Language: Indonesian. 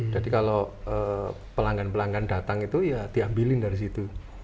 jadi kalau pelanggan pelanggan datang itu ya diambilin dari situ